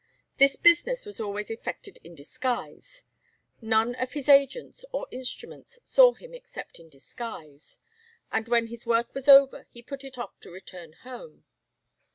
This business was always effected in disguise; none of his agents or instruments saw him except in disguise, and when his work was over he put it off to return home.